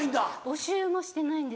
募集もしてないんです。